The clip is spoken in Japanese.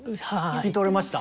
聞き取れました？